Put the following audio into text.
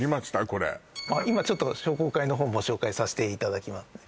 これ今ちょっと商工会の方ご紹介させていただきますね